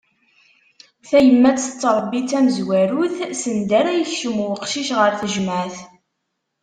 Tayemmat tettrebbi d tamezwarut, send ara yakcem uqcic ɣer tejmeɛt.